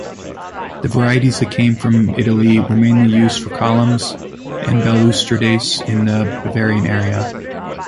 The varieties that came from Italy were mainly used for columns and balustrades in the Bavarian area.